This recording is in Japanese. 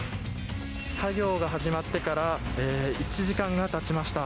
作業が始まってから１時間がたちました。